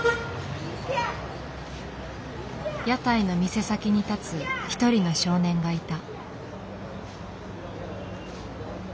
屋台の店先に立つ一人の少年がいた。